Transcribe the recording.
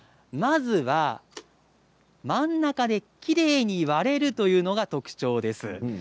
まずは真ん中できれいに割れるというのが特徴です。